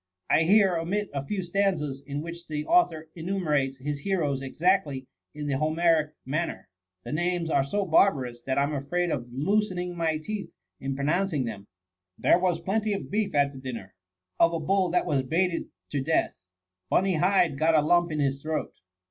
r here omit a few stanzas, in which the author enumerates his heroes exactly in the Homeric manner. The names are so barbarous, that I am afraid of loosening my teeth in pro nouncing them :—' There was plenty of beef at the dinner. Of a ball that was baited to death : Bunny Hyde got a lump in his throat.